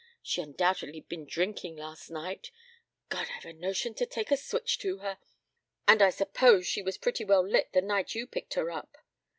She'd undoubtedly been drinking last night God! I've a notion to take a switch to her. And I suppose she was pretty well lit the night you picked her up.